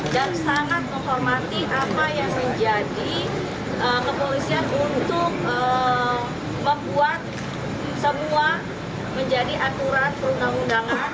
dan sangat menghormati apa yang menjadi kepolisian untuk membuat semua menjadi aturan perundang undangan